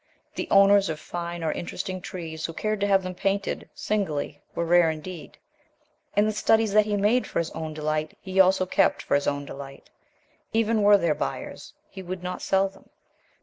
The owners of fine or interesting trees who cared to have them painted singly were rare indeed, and the "studies" that he made for his own delight he also kept for his own delight. Even were there buyers, he would not sell them.